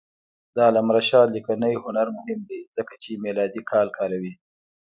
د علامه رشاد لیکنی هنر مهم دی ځکه چې میلادي کال کاروي.